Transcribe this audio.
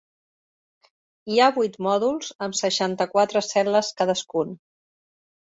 Hi ha vuit mòduls, amb seixanta-quatre cel·les cadascun.